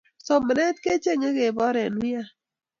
somanetab kechengee keboor eng wian